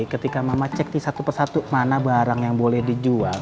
ketika mama cek di satu persatu mana barang yang boleh dijual